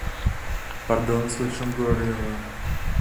Pardon, slečno Gloryová.